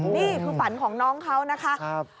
นี่คือฝันของน้องเขานะคะ